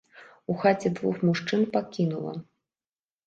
У хаце двух мужчын пакінула.